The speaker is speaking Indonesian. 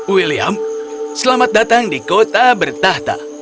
william selamat datang di kota bertahta